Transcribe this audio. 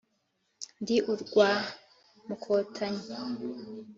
Ndi urwa Mukotanyi.